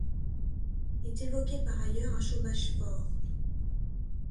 Est évoqué par ailleurs un chômage fort.